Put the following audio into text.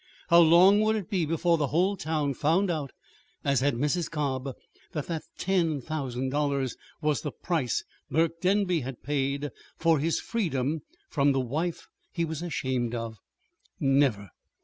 How long would it be before the whole town found out, as had Mrs. Cobb, that that ten thousand dollars was the price Burke Denby had paid for his freedom from the wife he was ashamed of? Never!